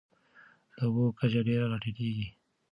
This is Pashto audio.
د اوبو کچه ډېره راټیټېږي.